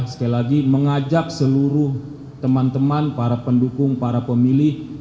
sekali lagi mengajak seluruh teman teman para pendukung para pemilih